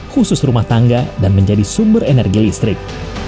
khusus rumah tangga dan menjadi sumber energi listrik